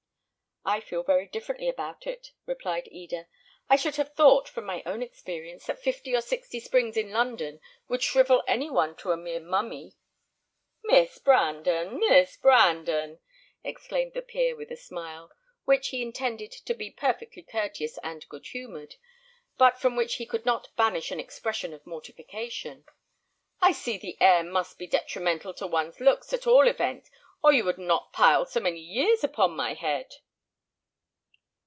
"I feel very differently about it," replied Eda. "I should have thought, from my own experience, that fifty or sixty springs in London would shrivel any one to a mere mummy." "Miss Brandon, Miss Brandon!" exclaimed the peer, with a smile, which he intended to be perfectly courteous and good humoured, but from which he could not banish an expression of mortification, "I see the air must be detrimental to one's looks, at all events, or you would not pile so many years upon my head."